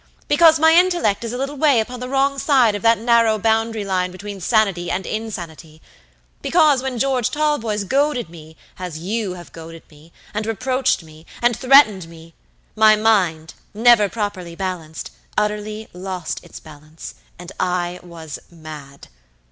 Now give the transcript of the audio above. because my intellect is a little way upon the wrong side of that narrow boundary line between sanity and insanity; because, when George Talboys goaded me, as you have goaded me, and reproached me, and threatened me, my mind, never properly balanced, utterly lost its balance, and I was mad!